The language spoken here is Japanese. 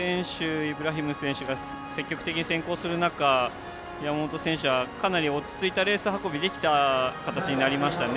イブラヒム選手が積極的に先行する中山本選手はかなり落ち着いたレース運びができた形になりましたね。